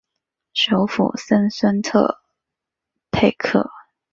首府森孙特佩克。